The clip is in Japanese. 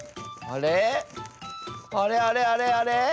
あれあれあれあれ？